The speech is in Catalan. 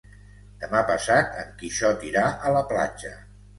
Demà passat en Quixot irà a la platja.